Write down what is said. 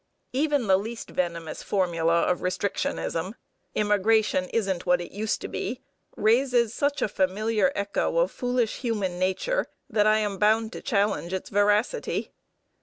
Even the least venomous formula of restrictionism, "immigration isn't what it used to be," raises such a familiar echo of foolish human nature that I am bound to challenge its veracity.